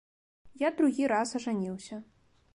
Я другі раз ажаніўся.